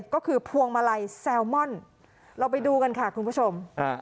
ก็คือพวงมาลัยแซลมอนเราไปดูกันค่ะคุณผู้ชม